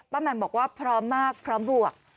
แหม่มบอกว่าพร้อมมากพร้อมบวก